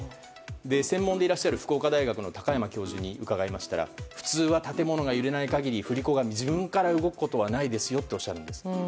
専門でいらっしゃる福岡大学の高山教授に伺いましたら普通は建物が揺れない限り振り子が自分から動くことはないですよとおっしゃるんです。